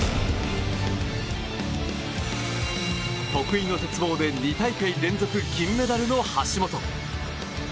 得意の鉄棒で２大会連続銀メダルの橋本。